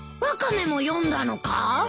ワカメも読んだのか？